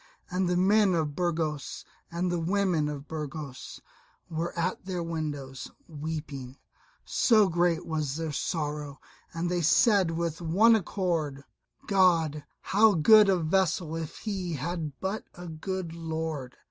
and the men of Burgos and the women of Burgos were at their windows, weeping, so great was their sorrow; and they said with one accord, "God, how good a vassal if he had but a good Lord!"